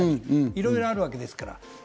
いろいろあるわけですから。